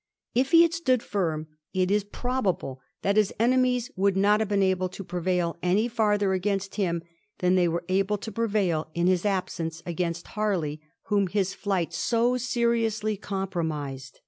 If he had stood firm, it is probable that his enemies would not have been able to pre vail any farther against him than they were able to prevail in his absence against Harley, whom his flight so seriously compromised.